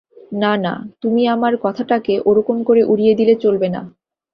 না না, তুমি আমার কথাটাকে ওরকম করে উড়িয়ে দিলে চলবে না।